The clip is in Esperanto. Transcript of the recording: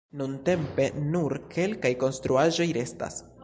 Nuntempe nur kelkaj konstruaĵoj restas.